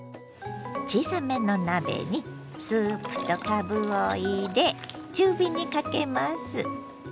小さめの鍋にスープとかぶを入れ中火にかけます。